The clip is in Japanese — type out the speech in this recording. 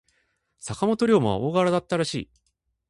坂本龍馬は大柄だったらしい。